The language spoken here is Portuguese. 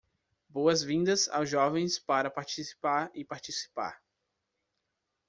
Boas vindas aos jovens para participar e participar